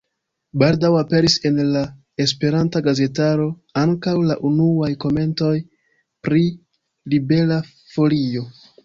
Baldaŭ aperis en la esperanta gazetaro ankaŭ la unuaj komentoj pri Libera Folio.